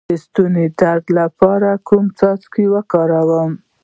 د ستوني د درد لپاره کوم څاڅکي وکاروم؟